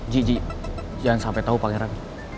ji ji aldang sampe tau pangeran